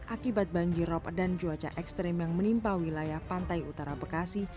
akibat banjirop dan cuaca ekstrim yang menimpa wilayah pantai utara bekasi